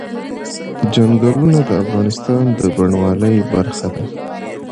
چنګلونه د افغانستان د بڼوالۍ برخه ده.